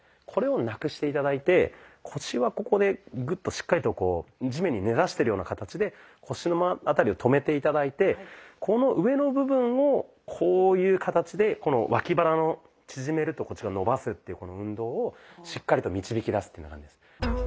これをなくして頂いて腰はここでグッとしっかりと地面に根ざしてるような形で腰の辺りを止めて頂いてこの上の部分をこういう形でこの脇腹を縮めるとこっちが伸ばすっていう運動をしっかりと導き出すっていうふうな感じです。